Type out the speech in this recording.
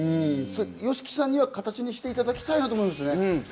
ＹＯＳＨＩＫＩさんには形にしていただきたいなと思うんですよね。